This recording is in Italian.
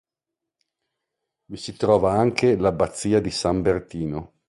Vi si trova anche l'Abbazia di San Bertino.